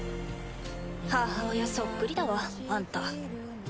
母親そっくりだわあんた。